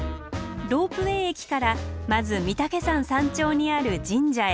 ロープウエー駅からまず御岳山山頂にある神社へ。